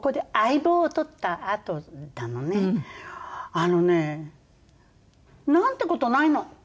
あのねなんて事ないの。